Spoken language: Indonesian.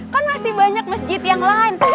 kan masih banyak masjid yang lain